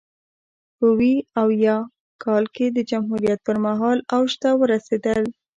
په ویا اویا کال کې د جمهوریت پرمهال اوج ته ورسېدل.